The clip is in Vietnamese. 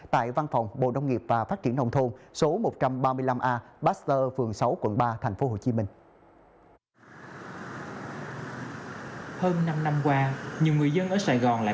tại văn phòng bộ nông nghiệp và phát triển nông thôn số một trăm ba mươi năm a